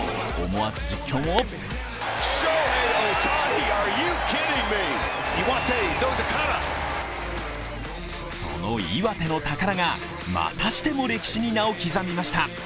思わず実況もその岩手の宝がまたしても歴史に名を刻みました。